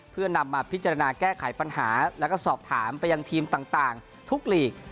เพื่อนำมาพิจารณาแก้ไขปัญหาแล้วก็สอบถามไปยังทีมต่างทุกหลีก